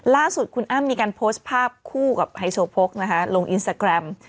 ล่าสุดคุณอ้ำมีการโพสต์ภาพคู่กับไฮโซโพกนะคะลงอินสตาแกรม